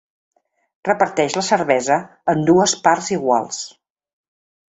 Reparteix la cervesa en dues parts iguals.